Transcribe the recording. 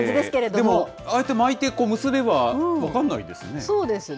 でもああやって巻いて結べば分かんないですね。